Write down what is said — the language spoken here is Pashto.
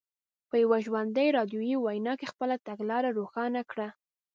په یوه ژوندۍ راډیویي وینا کې خپله تګلاره روښانه کړه.